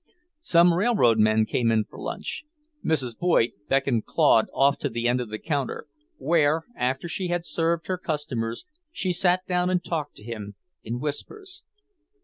Some railroad men came in for lunch. Mrs. Voigt beckoned Claude off to the end of the counter, where, after she had served her customers, she sat down and talked to him, in whispers.